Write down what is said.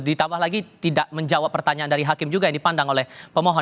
ditambah lagi tidak menjawab pertanyaan dari hakim juga yang dipandang oleh pemohon